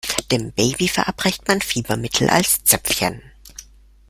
Dem Baby verabreicht man Fiebermittel als Zäpfchen.